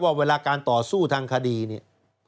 เวลาการต่อสู้ทางคดีเนี่ย